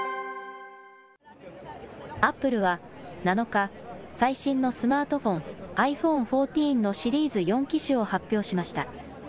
アップルは７日、最新のスマートフォン、ｉＰｈｏｎｅ１４のシリーズ４機種を発表しました。